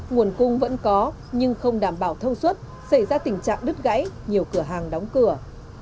nguồn cung vẫn có nhưng không đảm bảo thông suất xảy ra tình trạng đứt gãy nhiều cửa hàng đóng cửa